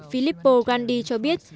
philippo gandhi cho biết